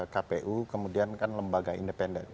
kpu kemudian kan lembaga independen